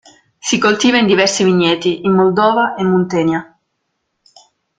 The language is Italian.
Si coltiva in diversi vigneti in Moldova e Muntenia.